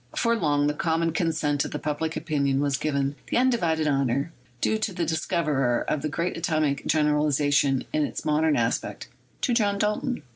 For long the common consent of public opinion has given the undivided honor, due to the discoverer of the great atomic general ization in its modern aspect, to John Dalton.